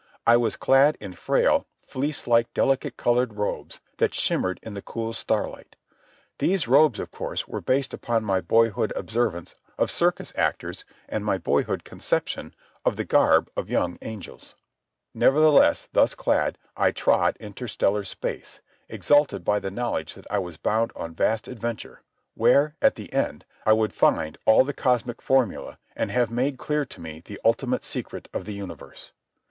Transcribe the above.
I was clad in frail, fleece like, delicate coloured robes that shimmered in the cool starlight. These robes, of course, were based upon my boyhood observance of circus actors and my boyhood conception of the garb of young angels. Nevertheless, thus clad, I trod interstellar space, exalted by the knowledge that I was bound on vast adventure, where, at the end, I would find all the cosmic formulæ and have made clear to me the ultimate secret of the universe.